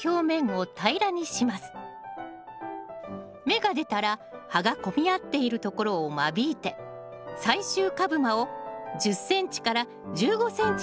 芽が出たら葉が混み合っているところを間引いて最終株間を１０ｃｍ１５ｃｍにします。